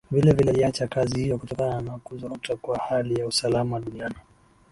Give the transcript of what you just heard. Vilevile aliacha kazi hiyo kutokana na kuzorota kwa hali ya usalama duniani